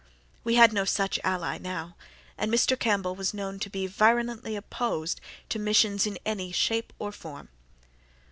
We had no such ally now, and Mr. Campbell was known to be virulently opposed to missions in any shape or form.